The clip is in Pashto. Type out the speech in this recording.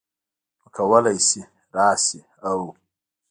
نو کولی شې راشې او